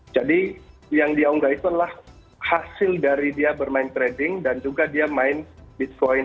yang dia unggah itu adalah hasil dari dia bermain trading dan juga dia main bitcoin